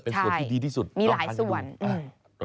เป็นส่วนที่ดีที่สุดต้องกินดูมีหลายส่วน